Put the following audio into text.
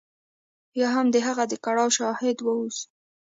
یا هم د هغه د کړاو شاهد واوسو.